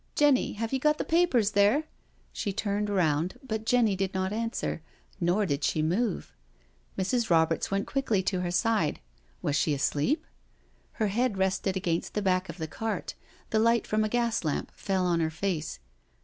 Jenny, have you got the papers there?" She turned round, but Jenny did not answer, nor did she move. Mrs. Roberts went quickly to her side. Was she asleep? Her head rested against the back of the cart, the light from a gas lamp fell on her face.